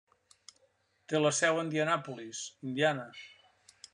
Té la seu a Indianapolis, Indiana.